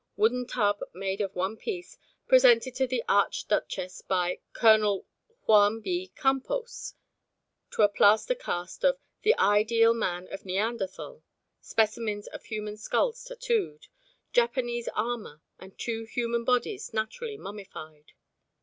Wooden Tub made of one piece, presented to the Archduchess by Col. Juan B. Campos," to a plaster cast of "the ideal man of Neanderthal," specimens of human skins tattooed, Japanese armour and two human bodies naturally mummified.